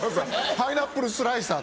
パイナップルスライサー。